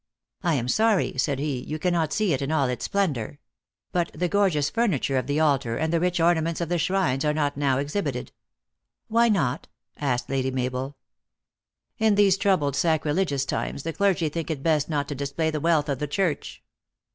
" I am sorry," said he, " you cannot see it in all its splendor; but the gorgeous furniture of the altar and the rich ornaments of the shrines are not now exhibited." " Why not?" asked Lady Mabel. " In these troubled, sacrilegious times, the clergy think it best not to display the wealth of the church."